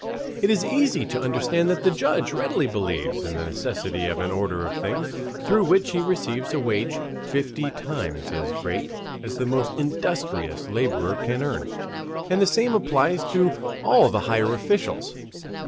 It is easy to understand that the judge readily believes in the necessity of an order of things through which he receives a wage fifty times as great as the most industrious laborer can earn, and the same applies to all the higher officials.